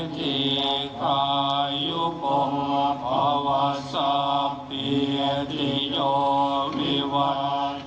ฉะนั้นในสุภาพวาระดิถีขึ้นปีใหม่๒๕๖๑นี้